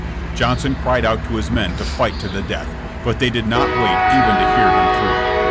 Johnson cried out to his men to fight to the death, but they did not wait even to hear him through.